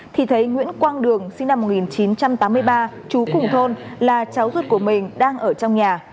thì thấy nguyễn quang đường sinh năm một nghìn chín trăm tám mươi ba trú cùng thôn là cháu ruột của mình đang ở trong nhà